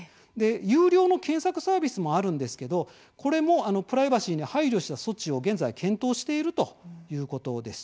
有料の検索サービスもあるんですが、これもプライバシーに配慮した措置を現在検討しているということです。